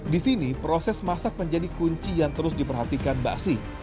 di sini proses masak menjadi kunci yang terus diperhatikan basi